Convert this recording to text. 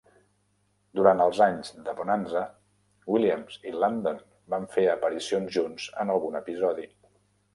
Durant els anys de "Bonanza", Williams i Landon van fer aparicions junts en algun episodi.